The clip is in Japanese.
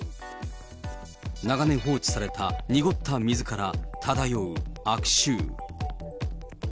長年放置された濁った水から漂う悪臭。